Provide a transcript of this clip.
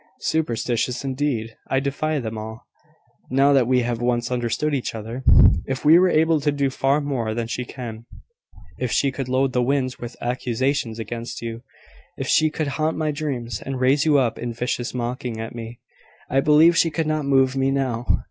"Superstitious, indeed! I defy them all, now that we have once understood each other. If she were able to do far more than she can if she could load the winds with accusations against you if she could haunt my dreams, and raise you up in visions mocking at me I believe she could not move me now.